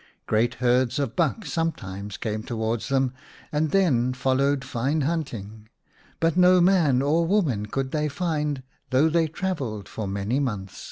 Great herds of buck sometimes came towards them and then followed fine hunting ; but no man or woman could they find though they travelled for many months.